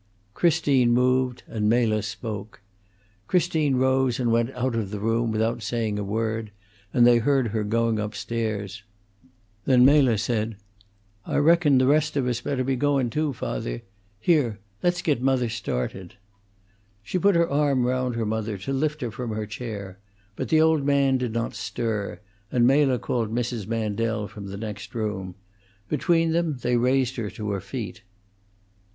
Christine moved, and Mela spoke. Christine rose and went out of the room without saying a word, and they heard her going up stairs. Then Mela said: "I reckon the rest of us better be goun' too, father. Here, let's git mother started." She put her arm round her mother, to lift her from her chair, but the old man did not stir, and Mela called Mrs. Mandel from the next room. Between them they raised her to her feet.